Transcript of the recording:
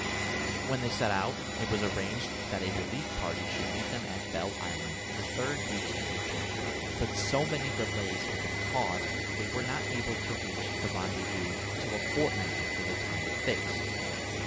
When they set out, it was arranged that a relief party should meet them at Bell Island the third week in April, but so many delays had been caused that they were not able to reach the rendezvous until a fortnight after the time fixed.